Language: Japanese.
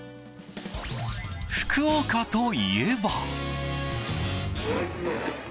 福岡といえば。